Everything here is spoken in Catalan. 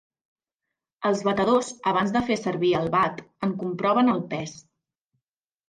Els batedors, abans de fer servir el bat, en comproven el pes.